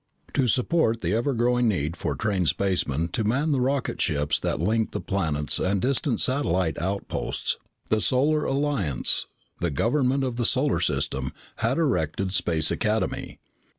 To support the ever growing need for trained spacemen to man the rocket ships that linked the planets and distant satellite outposts, the Solar Alliance, the government of the solar system, had erected Space Academy.